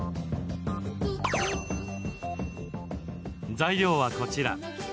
材料はこちら。